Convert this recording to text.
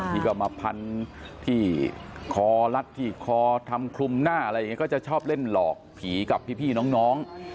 ที่ก็มาพันที่คอรัดที่คอทำคลุมหน้าอะไรอย่างนี้ก็จะชอบเล่นหลอกผีกับพี่น้อง